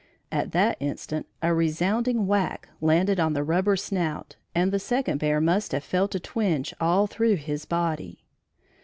At that instant, a resounding whack landed on the rubber snout and the second bear must have felt a twinge all through his body.